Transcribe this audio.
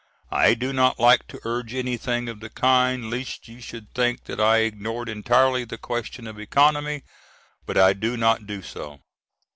I do not like to urge anything of the kind, lest you should think that I ignored entirely the question of economy, but I do not do so.